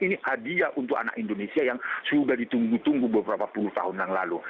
ini hadiah untuk anak indonesia yang sudah ditunggu tunggu beberapa puluh tahun yang lalu